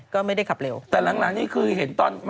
ก็ไม่ได้ขับเร็ว